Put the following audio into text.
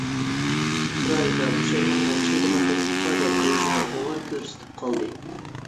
چىرايىدا پۇشايمانغا ئوخشايدىغان بىر ئىپادە ئۆزىنى غۇۋا كۆرسىتىپ قالدى.